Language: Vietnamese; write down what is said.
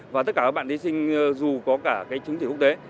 và tất cả các bạn thí sinh dù có cả trứng thủy quốc tế